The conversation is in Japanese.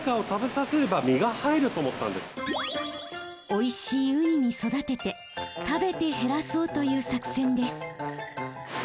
おいしいウニに育てて食べて減らそうという作戦です。